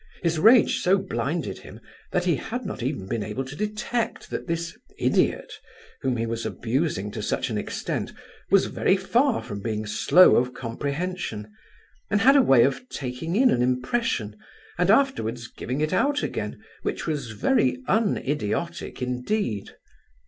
His rage so blinded him that he had not even been able to detect that this "idiot," whom he was abusing to such an extent, was very far from being slow of comprehension, and had a way of taking in an impression, and afterwards giving it out again, which was very un idiotic indeed.